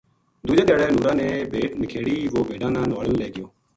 دُوجے دھیاڑے نُورا نے بھیڈ نکھیڑی وُہ بھیڈاں نا نُہالن لے گیو